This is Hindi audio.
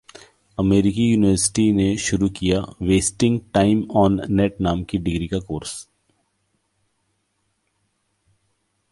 अमेरिकी यूनिवर्सिटी ने शुरू किया 'वेस्टिंग टाइम ऑन नेट' नाम का डिग्री कोर्स